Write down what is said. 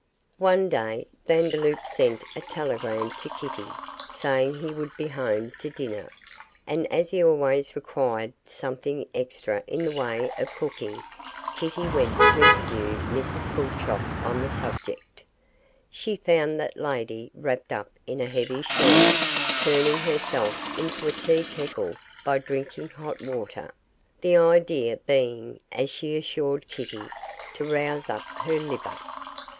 One day Vandeloup sent a telegram to Kitty saying he would be home to dinner, and as he always required something extra in the way of cooking, Kitty went to interview Mrs Pulchop on the subject. She found that lady wrapped up in a heavy shawl, turning herself into a tea kettle by drinking hot water, the idea being, as she assured Kitty, to rouse up her liver.